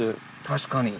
確かに。